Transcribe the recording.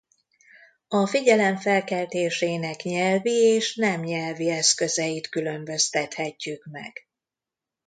A figyelem felkeltésének nyelvi és nem nyelvi eszközeit különböztethetjük meg.